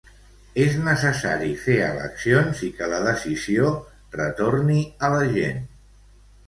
És necessari fer eleccions i que la decisió retorni a la gent.